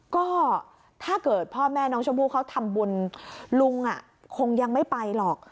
ก็ถ้าเกิดพ่อแม่น้องชมพู่เขาทำบุญลุงคงยังไม่ไปหรอก